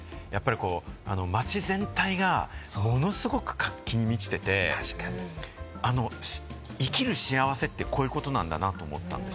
街全体がものすごく活気に満ちていて、生きる幸せってこういうことなんだなって思ったんです。